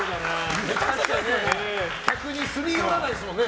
客にすり寄らないですからね。